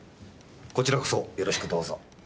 こちらこそよろしくどうぞ。